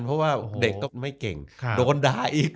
เพราะว่าเด็กก็ไม่เก่งโดนด่าอีก